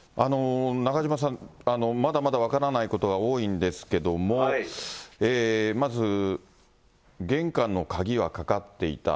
中島さん、まだまだ分からないことが多いんですけども、まず玄関の鍵はかかっていた。